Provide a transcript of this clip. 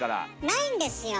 ないんですよ。